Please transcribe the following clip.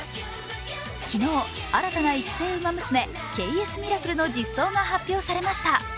昨日新たな育成ウマ娘ケイエスミラクルの実装が発表されました。